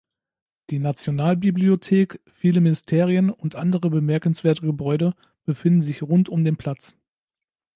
Die Nationalbibliothek, viele Ministerien und andere bemerkenswerte Gebäude befinden sich rund um den Platz.